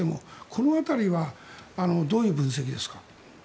この辺りはどういう分析ですか。